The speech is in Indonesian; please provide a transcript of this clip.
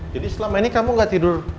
jadi selama ini kamu gak tidur